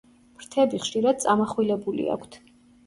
ფრთები ხშირად წამახვილებული აქვთ.